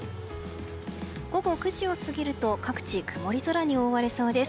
午後９時を過ぎると各地曇り空に覆われそうです。